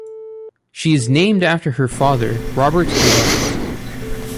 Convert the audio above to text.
She is named after her father, Robert LaMorte.